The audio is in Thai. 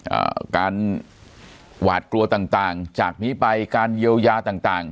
อ่าการหวาดกลัวต่างต่างจากนี้ไปการเยียวยาต่างต่าง